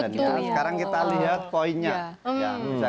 sekarang kita lihat poinnya